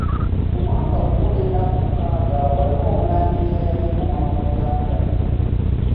Ku mwaka gumu n’ennaku mukaaga waliwo omulangira eyalya engoma mu Buganda.